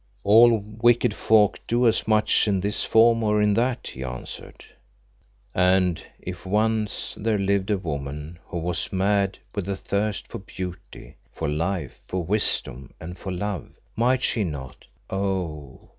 "All wicked folk do as much in this form or in that," he answered. "And if once there lived a woman who was mad with the thirst for beauty, for life, for wisdom, and for love, might she not oh!